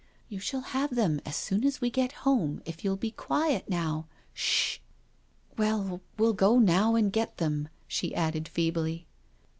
" You shall have them as soon as we get home if you'll be quiet now — ^schl Well, we'll go now and get them," she added feebly.